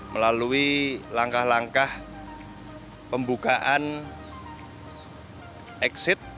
melalui langkah langkah pembukaan exit